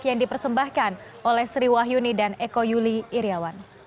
yang dipersembahkan oleh sri wahyuni dan eko yuli iryawan